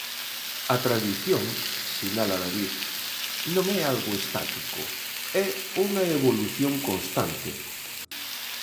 A tradición, sinala David, non é algo estático, é unha evolución constante.